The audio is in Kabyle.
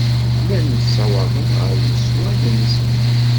Llan ssawaḍen ɣer yeswan-nsen.